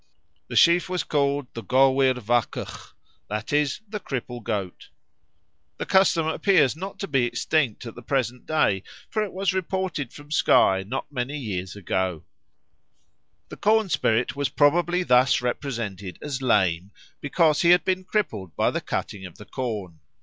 The sheaf was called the goabbir bhacagh, that is, the Cripple Goat. The custom appears not to be extinct at the present day, for it was reported from Skye not very many years ago. The corn spirit was probably thus represented as lame because he had been crippled by the cutting of the corn.